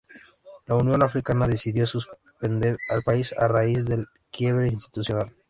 La Unión Africana decidió suspender al país a raíz del quiebre institucional.